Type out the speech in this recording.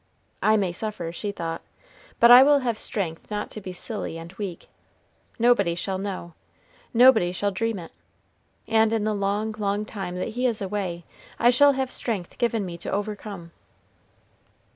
"I may suffer," she thought, "but I will have strength not to be silly and weak. Nobody shall know, nobody shall dream it, and in the long, long time that he is away, I shall have strength given me to overcome."